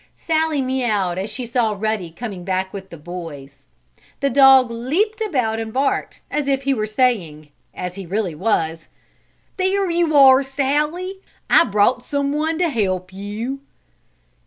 Sallie meaouwed as she saw Ruddy coming back with the boys. The dog leaped about and barked, as if he were saying, as he really was: "There you are, Sallie! I brought someone to help you!"